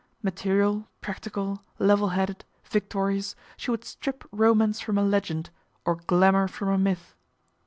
Material, practical, level headed, victorious, she would strip romance from a legend, or glamour from a myth.